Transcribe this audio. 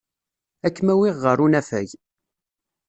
Ad kem-awiɣ ɣer unafag.